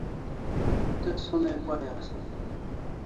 Te sonai pai asan